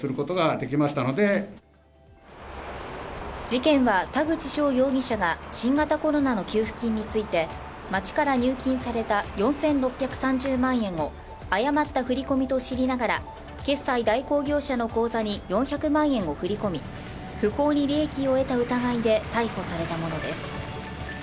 事件は、田口翔容疑者が新型コロナの給付金について町から入金された４６３０万円を誤った振り込みと知りながら決済代行業者の口座に４００万円を振り込み、不法に利益を得た疑いで逮捕されたものです。